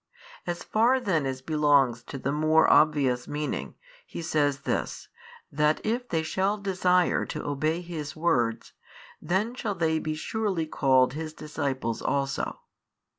As far then as belongs to the more obvious meaning, He says |622 this, that if they shall desire to obey His Words, then shall they be surely called His disciples also.